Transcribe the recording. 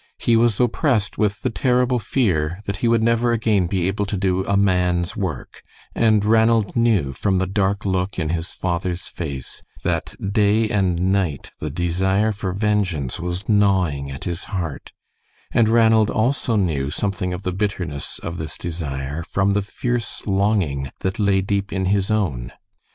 He was oppressed with the terrible fear that he would never again be able to do a man's work, and Ranald knew from the dark look in his father's face that day and night the desire for vengeance was gnawing at his heart, and Ranald also knew something of the bitterness of this desire from the fierce longing that lay deep in his own.